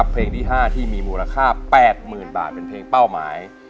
เพลงที่๕ที่มีมูลค่า๘๐๐๐บาทเป็นเพลงเป้าหมาย